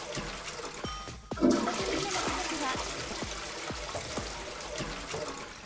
１組の家族は。